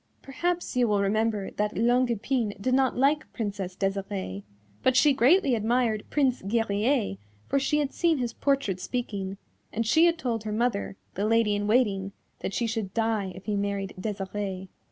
Perhaps you will remember that Longue Epine did not like Princess Desirée, but she greatly admired Prince Guerrier, for she had seen his portrait speaking, and she had told her mother, the Lady in Waiting, that she should die if he married Desirée.